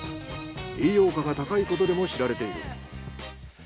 栄養価が高いことでも知られている。